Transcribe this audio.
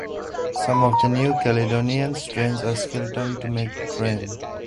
Some of the New Caledonians drench a skeleton to make rain.